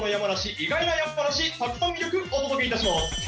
意外な山梨たくさん魅力お届けいたします